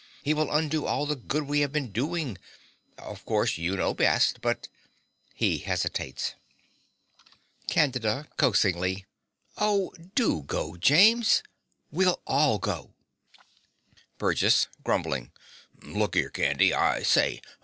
He will undo all the good we have been doing. Of course you know best; but (He hesitates.) CANDIDA (coaxingly). Oh, DO go, James. We'll all go. BURGESS (grumbling). Look 'ere, Candy! I say!